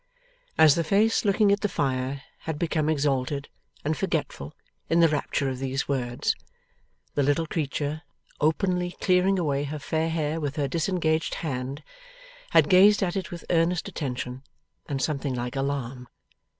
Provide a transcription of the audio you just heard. As the face looking at the fire had become exalted and forgetful in the rapture of these words, the little creature, openly clearing away her fair hair with her disengaged hand, had gazed at it with earnest attention and something like alarm.